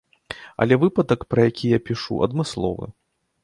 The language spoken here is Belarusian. Але выпадак, пра які я пішу, адмысловы.